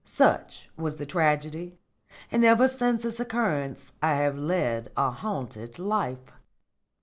Such was the tragedy, and ever since its occurrence I have led a haunted life."